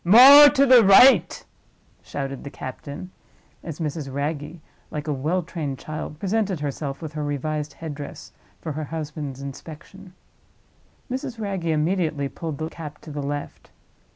More to the right!" shouted the captain, as Mrs. Wragge, like a well trained child, presented herself with her revised head dress for her husband's inspection. Mrs. Wragge immediately pulled the cap to the left.